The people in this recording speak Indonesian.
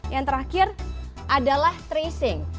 yang terakhir adalah tracing